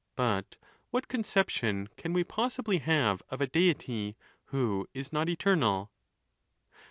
But what conception can we possibly have of a Deity who is not eternal